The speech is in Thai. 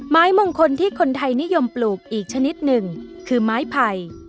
ไม้มงคลที่คนไทยนิยมปลูกอีกชนิดหนึ่งคือไม้ไผ่